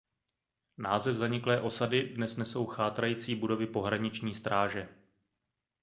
Název zaniklé osady dnes nesou chátrající budovy Pohraniční stráže.